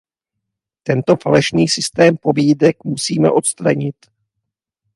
Tento falešný systém pobídek musíme odstranit.